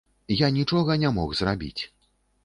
Я нічога не мог зрабіць.